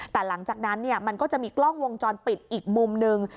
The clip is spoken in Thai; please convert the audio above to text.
แต่หลังจากนั้นมันก็จะมีกล้องวงจรปิดอีกมุมหนึ่ง